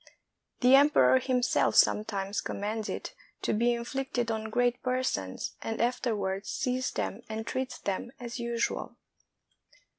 The emperor himself sometimes commands it to be in flicted on great persons, and afterwards sees them and treats them as usual.